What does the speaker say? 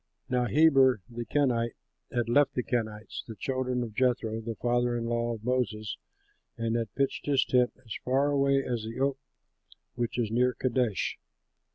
Now Heber the Kenite had left the Kenites, the children of Jethro the father in law of Moses, and had pitched his tent as far away as the oak which is near Kadesh.